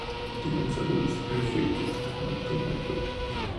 Tiene unos agudos riffs que toca Nocturno Culto.